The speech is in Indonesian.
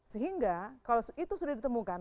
sehingga kalau itu sudah ditemukan